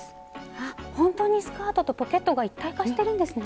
あっほんとにスカートとポケットが一体化してるんですね。